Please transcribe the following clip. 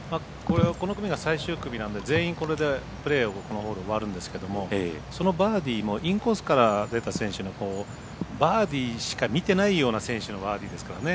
この組が最終組なんで全員これでプレーがこのホール終わるんですけどそのバーディーもインコースから出た選手のバーディーしか見てないような選手のバーディーですからね。